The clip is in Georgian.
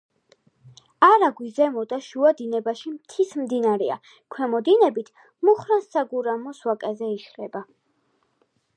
არაგვი ზემო და შუა დინებაში მთის მდინარეა, ქვემო დინებით მუხრან-საგურამოს ვაკეზე იშლება.